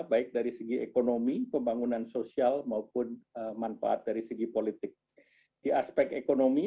baik dari segi ekonomi pembangunan sosial maupun manfaat dari segi politik di aspek ekonomi